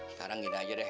sekarang gini aja deh